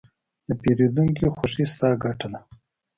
د پیرودونکي خوښي، ستا ګټه ده.